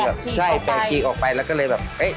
เขาว่าขายดีดีกว่าแล้วแล้วก็ประหยัดเวลา